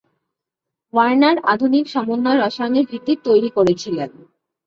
Warner আধুনিক সমন্বয় রসায়নের ভিত্তি তৈরি করেছিলেন।